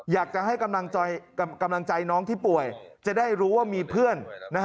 อยากจะให้กำลังใจน้องที่ป่วยจะได้รู้ว่ามีเพื่อน